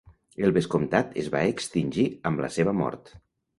El vescomtat es va extingir amb la seva mort.